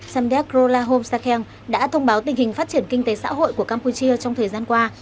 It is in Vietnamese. samdeck rolahom sakeng đã thông báo tình hình phát triển kinh tế xã hội của campuchia trong thời gian qua